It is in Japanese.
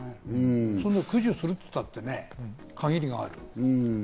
駆除するって言ったってね、限りがある。